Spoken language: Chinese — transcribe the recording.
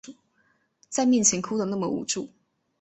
在面前哭的那么无助